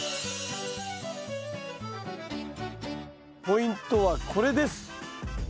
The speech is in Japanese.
ポイントはこれです。